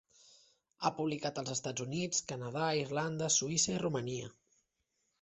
Ha publicat als Estats Units, Canadà, Irlanda, Suïssa i Romania.